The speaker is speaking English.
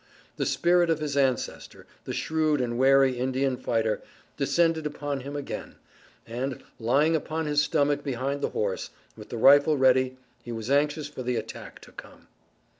The spirit of his ancestor, the shrewd and wary Indian fighter, descended upon him again, and, lying upon his stomach behind the horse, with the rifle ready he was anxious for the attack to come.